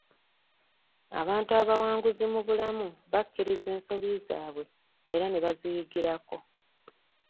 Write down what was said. Abantu abawanguzi mu bulamu bakkiriza ensobi zaabwe era ne baziyigirako.